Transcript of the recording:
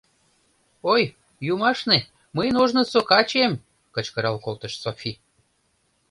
— Ой, юмашне, мыйын ожнысо качем! — кычкырал колтыш Софи.